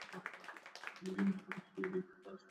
که نجونې دعا وکړي نو روح به نه وي ناارامه.